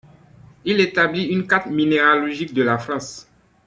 Il établit une carte minéralogique de la France.